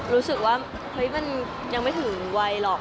รู้สึกว่าเฮ้ยมันยังไม่ถึงวัยหรอก